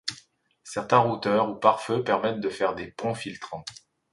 Certains routeurs ou pare-feu permettent de faire des ponts filtrants.